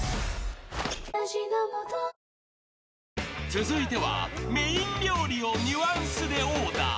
［続いてはメイン料理をニュアンスでオーダー］